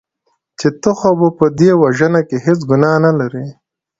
چې ته خو په دې وژنه کې هېڅ ګناه نه لرې .